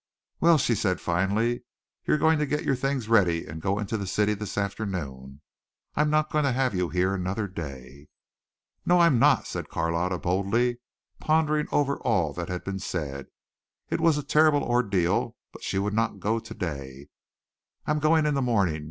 "Well," she said, finally, "you're going to get your things ready and go into the city this afternoon. I'm not going to have you here another day." "No I'm not," said Carlotta boldly, pondering over all that had been said. It was a terrible ordeal, but she would not go today. "I'm going in the morning.